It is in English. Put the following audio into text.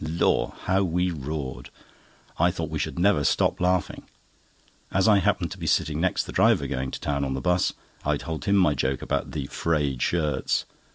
Lor! how we roared. I thought we should never stop laughing. As I happened to be sitting next the driver going to town on the 'bus, I told him my joke about the "frayed" shirts.